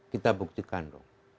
kita buktikan dong